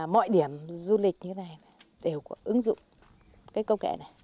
mọi điểm du lịch như thế này đều có ứng dụng cái công nghệ này